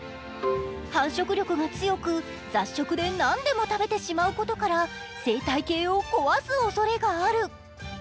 繁殖力が強く雑食で何でも食べてしまうことから生態系を壊すおそれがある。